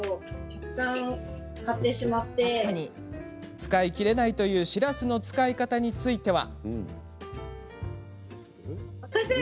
使いきれないという、しらすの使い方については。